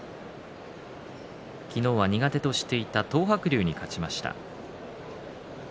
昨日は苦手としていた東白龍に勝ちました。